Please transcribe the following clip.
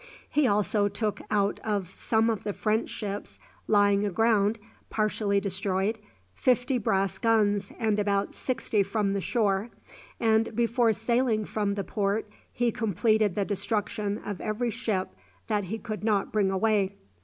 He also took out of some of the French ships lying aground partially destroyed, fifty brass guns and about sixty from the shore, and before sailing from the port he completed the destruction of every ship that he could not bring away.